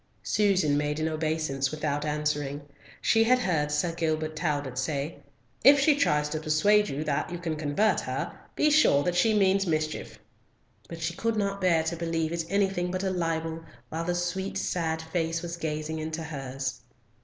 Susan made an obeisance without answering. She had heard Sir Gilbert Talbot say, "If she tries to persuade you that you can convert her, be sure that she means mischief," but she could not bear to believe it anything but a libel while the sweet sad face was gazing into hers.